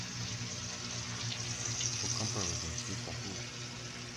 For comparison, see "Sahib".